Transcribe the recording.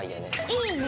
いいね！